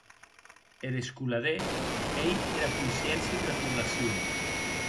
Er escolader ei era consciéncia dera poblacion.